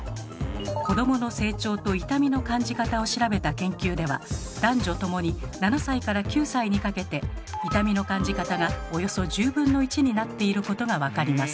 子どもの成長と痛みの感じ方を調べた研究では男女共に７歳から９歳にかけて痛みの感じ方がおよそ１０分の１になっていることが分かります。